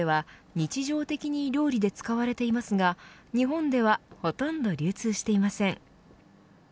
日常的に料理で使われていますが日本ではほとんど流通していません。